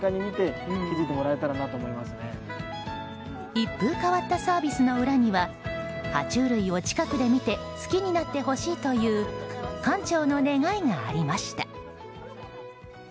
一風変わったサービスの裏には爬虫類を近くで見て好きになってほしいという館長の願いがありました。